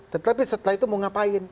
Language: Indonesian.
tetapi setelah itu mau ngapain